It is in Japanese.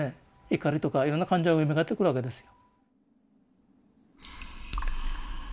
怒りとかいろんな感情がよみがえってくるわけですよ。